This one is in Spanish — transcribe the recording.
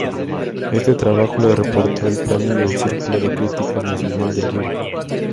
Este trabajo le reportó el premio del Círculo de Críticos Nacional del Libro.